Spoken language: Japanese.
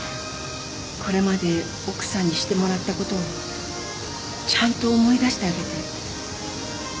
これまで奥さんにしてもらったことをちゃんと思い出してあげて。